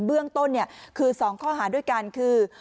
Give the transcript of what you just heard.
เบื้องต้นคือ๒ข้อหาด้วยกันคือ